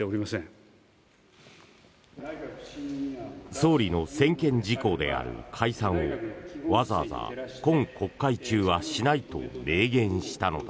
総理の専権事項である解散をわざわざ今国会中はしないと明言したのだ。